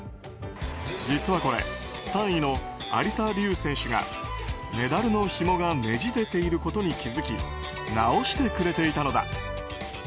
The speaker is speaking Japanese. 実はこれ３位のアリサ・リュウ選手がメダルのひもがねじれていることに気づき直してくれていたのだ。